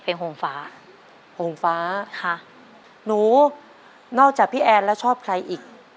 โหงฟ้าโฮงฟ้าค่ะหนูนอกจากพี่แอนแล้วชอบใครอีก